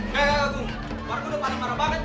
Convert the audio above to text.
hei warga udah parah parah banget